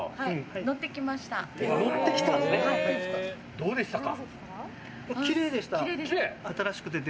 どうでしたか？